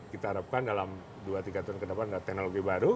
kita harapkan dalam dua tiga tahun ke depan ada teknologi baru